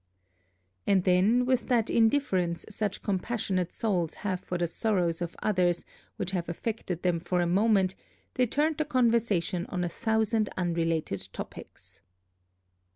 And then with that indifference such compassionate souls have for the sorrows of others which have affected them for a moment, they turned the conversation on a thousand unrelated topics....